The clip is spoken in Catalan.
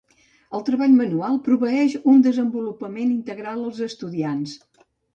El treball manual proveeix un desenvolupament integral als estudiants.